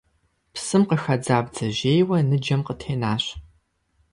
Псым къыхадза бдзэжьейуэ ныджэм къытенащ.